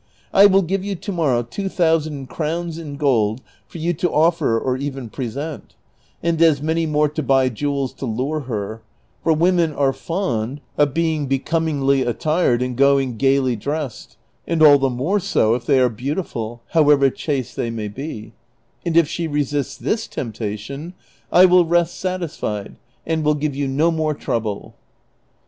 I will give you to morrow two thousand crowns in gold for you to offer or even pre sent, and as many more to buy jewels to lure her, for women are fond of being bec omingly attired and going gayly dressed, and all the moye so if they are beautiful, however chaste they may be ; and if she resists tliis temptation, I will rest satisfied and will give you no more trouble."